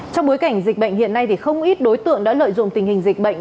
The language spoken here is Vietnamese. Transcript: trong bối cảnh dịch bệnh hiện nay không ít đối tượng đã lợi dụng tình hình dịch bệnh